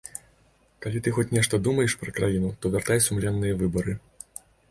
Калі ты хоць нешта думаеш пра краіну, то вяртай сумленныя выбары!